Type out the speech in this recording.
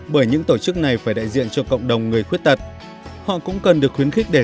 bởi những tổ chức này phải đại diện cho cộng đồng người khuyết tật họ cũng cần được khuyến khích để